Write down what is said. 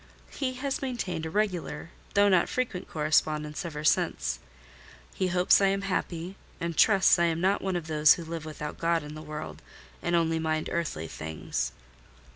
He has maintained a regular, though not frequent, correspondence ever since: he hopes I am happy, and trusts I am not of those who live without God in the world, and only mind earthly things.